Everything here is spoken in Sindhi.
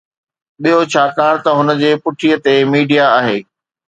ٻيو، ڇاڪاڻ ته هن جي پٺي تي ميڊيا آهي.